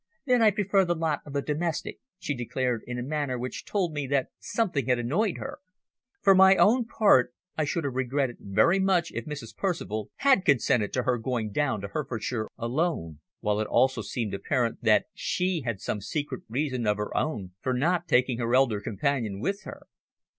"Then I prefer the lot of the domestic," she declared in a manner which told me that something had annoyed her. For my own part I should have regretted very much if Mrs. Percival had consented to her going down to Herefordshire alone, while it also seemed apparent that she had some secret reason of her own for not taking her elder companion with her.